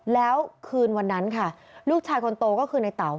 แล้วคืนวันนั้นค่ะลูกชายคนโตก็คือในเต๋า